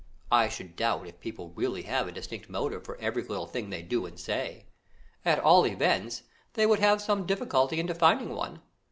I should doubt if people really have a distinct motive for every little thing they do and say at all events, they would have some difficulty in defining one.